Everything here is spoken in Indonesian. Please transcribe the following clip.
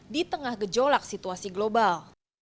di tengah gejolak situasi global